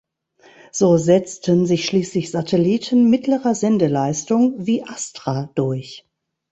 So setzten sich schließlich Satelliten mittlerer Sendeleistung, wie Astra, durch.